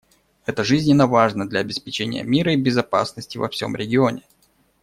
Это жизненно важно для обеспечения мира и безопасности во всем регионе.